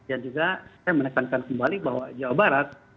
dan juga saya menekankan kembali bahwa jawa barat